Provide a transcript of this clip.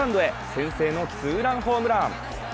先制のツーランホームラン。